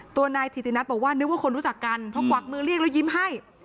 ตัวนายถิตินัทบอกว่านึกว่าคนรู้จักกันเพราะกวักมือเรียกแล้วยิ้มให้